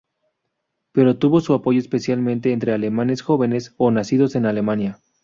Pero tuvo su apoyo especialmente entre alemanes jóvenes o nacidos en Alemania.